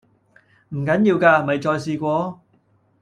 唔緊要㗎，咪再試過